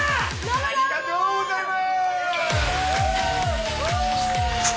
ありがとうございます！